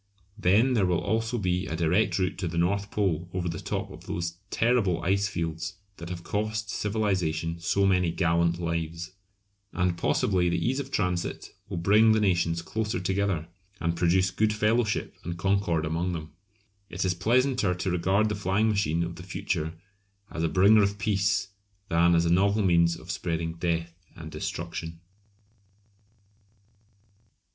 Then there will also be a direct route to the North Pole over the top of those terrible icefields that have cost civilisation so many gallant lives. And possibly the ease of transit will bring the nations closer together, and produce good fellowship and concord among them. It is pleasanter to regard the flying machine of the future as a bringer of peace than as a novel means of spreading death and destruction.